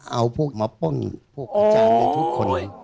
เอาพวกมาป้นพวกอาจารย์